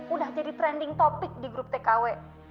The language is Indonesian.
udah jadi trending topic di grup tkw